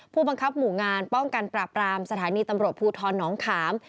ผู้บังคับหมู่งานป้องกันปราบรามสถานีตำรวจภูทรน้องขาม